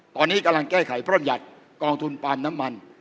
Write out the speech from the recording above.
ตอนนี้กำลังแก้ไขพร่มหยัดกองทุนปานน้ำมัน